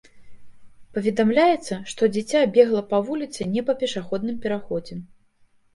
Паведамляецца, што дзіця бегла па вуліцы не па пешаходным пераходзе.